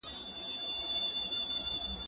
زه به اوږده موده بازار ته تللی وم؟!